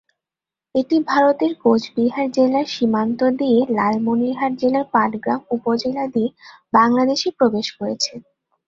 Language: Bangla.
এটি ভারতের কোচবিহার জেলার সীমান্ত দিয়ে লালমনিরহাট জেলার পাটগ্রাম উপজেলা দিয়ে বাংলাদেশে প্রবেশ করেছে।